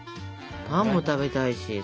パンも食べたいし。